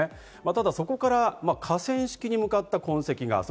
ただ、そこから河川敷に向かった痕跡がある。